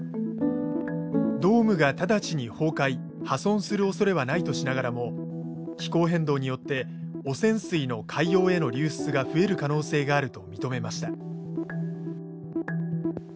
ドームが直ちに崩壊・破損する恐れはないとしながらも気候変動によって汚染水の海洋への流出が増える可能性があると認めました。